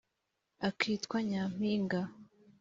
akitwa "nyampinga'